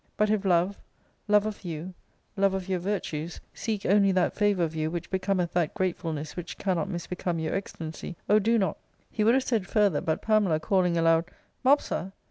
But if love, love of you, love of your virtues, seek only that favour of you which becometh that gratefulness which can not misbecome your excellency, O do not " He would have said further, but Pamela calling aloud " Mopsa